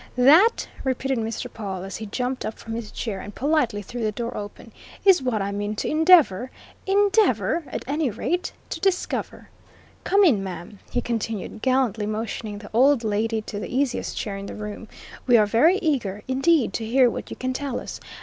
"That," repeated Mr. Pawle, as he jumped up from his chair and politely threw the door open, "is what I mean to endeavour endeavour, at any rate to discover. Come in, ma'am," he continued, gallantly motioning the old landlady to the easiest chair in the room. "We are very eager, indeed, to hear what you can tell us.